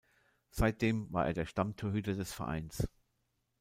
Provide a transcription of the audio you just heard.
Seitdem war er der Stammtorhüter des Vereins.